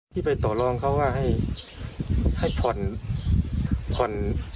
ที่ไปจอดลองเขาว่าให้ผ่อน